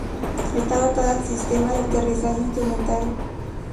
Está dotada de Sistema de aterrizaje instrumental.